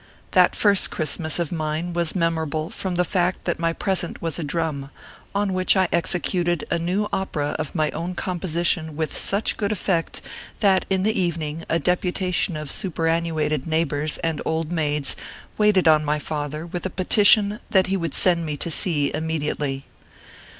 That first Christmas of mine was memorable from the fact that my present was a drum, on which I executed a new opera of my own composition with such good effect, that in the evening, a deputation of superannuated neighbors and old maids waited on my ORPHEUS C. KERR PAPERS. 159 father with a petition that he would send me to sea immediately.